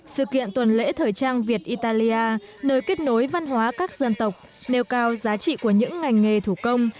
sự kiện tuần lễ thời trang việt italia nơi kết nối văn hóa các dân tộc nêu cao giá trị của những ngành nghề thủ công